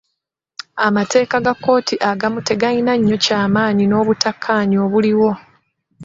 Amateeka ga kkooti agamu tegayina nnyo kyamanyi n'obutakkaanya obuliwo.